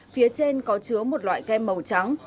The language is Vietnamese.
phía trên có chứa một loại kem màu trắng